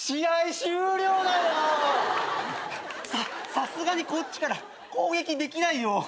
さすがにこっちから攻撃できないよ。